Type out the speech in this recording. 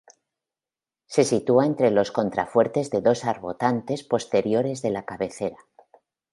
Se sitúa entre los contrafuertes de dos arbotantes posteriores de la cabecera.